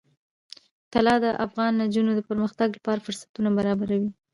طلا د افغان نجونو د پرمختګ لپاره فرصتونه برابروي.